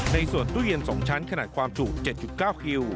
ในส่วนตู้เย็นสองชั้นขณะความฉุก๗๙กิลลิเมตร